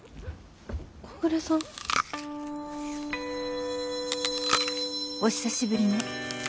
小暮さん？お久しぶりね。